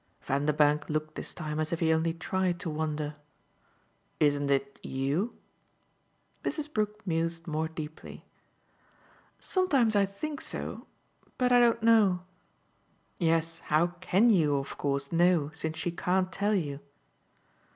Vanderbank looked this time as if he only tried to wonder. "Isn't it YOU?" Mrs. Brook mused more deeply. "Sometimes I think so. But I don't know." "Yes, how CAN you of course know, since she can't tell you?"